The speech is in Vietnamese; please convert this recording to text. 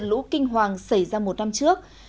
lũ kinh hoàng xảy ra một năm trước